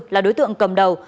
là đối tượng cầm đầu